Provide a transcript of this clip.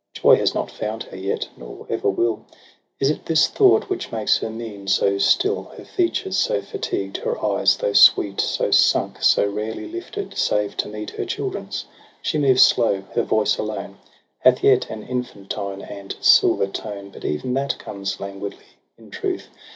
Joy has not found her yet, nor ever will — Is it this thought which makes her mien so still, Her features so fatigued, her eyes, though sweet. So sunk, so rarely lifted save to meet Her children's ? She moves slow ; her voice alone Hath yet an infantine and silver tone. But even that comes languidly; in truth.